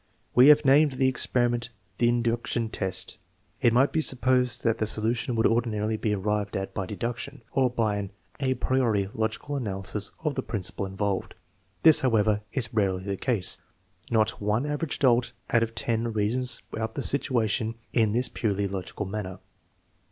We have named the experiment an " induction test." It might be supposed that the solution would ordinarily be arrived at by deduction, or by an a priori logical analysis of the principle involved. This, however, is rarely the case. Not one average adult out of ten reasons out the situation in this purely logical manner.